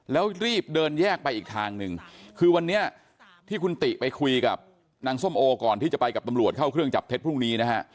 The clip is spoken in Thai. แล้วรีบเดินแยกไปอีกทางหนึ่งคือวันนี้ที่คุณติไปคุยกับนางส้มโอก่อนที่จะไปกับตำรวจเข้าเครื่องจับเท็จพรุ่งนี้นะฮะ